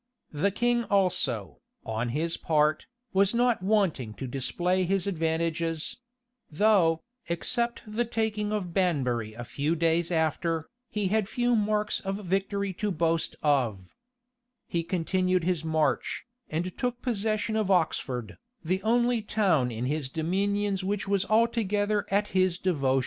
[] The king also, on his part, was not wanting to display his advantages; though, except the taking of Banbury a few days after, he had few marks of victory to boast of. He continued his march, and took possession of Oxford, the only town in his dominions which was altogether at his devotion. * Clarendon, vol. iii. p. 44, etc. May, book iii. p.